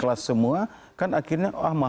harga tertingginya untuk